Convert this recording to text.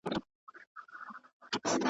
جهاني ته وا یاران دي یو په یو خاورو خوړلي .